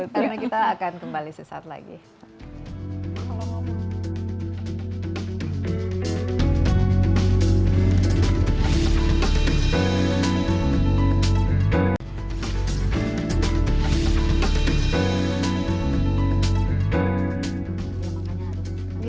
karena kita akan kembali sesaat lagi